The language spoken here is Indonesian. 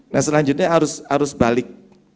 nah selanjutnya arus balik